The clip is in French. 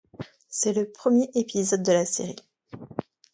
C'est le premier épisode de la série.